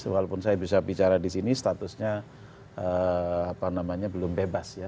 walaupun saya bisa bicara disini statusnya apa namanya belum bebas ya